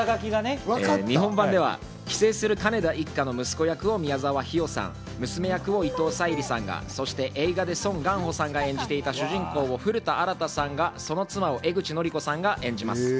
日本版では寄生する金田一家の息子役を宮沢氷魚さん、娘役を伊藤沙莉さんが、そして映画でソン・ガンホさんが演じていた主人公・古田新太さんが、その妻を江口のりこさんが演じます。